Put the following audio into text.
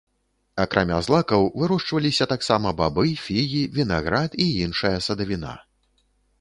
Акрамя злакаў вырошчваліся таксама бабы, фігі, вінаград і іншая садавіна.